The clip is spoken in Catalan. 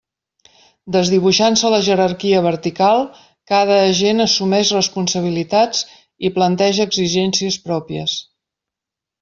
Desdibuixant-se la jerarquia vertical, cada agent assumeix responsabilitats i planteja exigències pròpies.